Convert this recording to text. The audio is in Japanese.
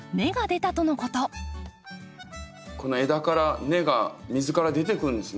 この枝から根が水から出てくるんですね。